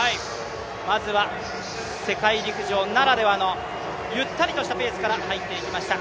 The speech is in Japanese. まずは世界陸上ならではの、ゆったりとしたペースから入っていきました。